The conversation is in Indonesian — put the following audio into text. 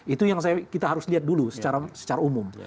itu yang kita harus lihat dulu secara umum